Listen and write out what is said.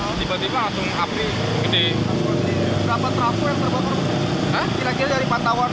api terbakar terlihat terluar